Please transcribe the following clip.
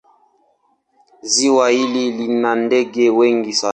Ziwa hili lina ndege wengi sana.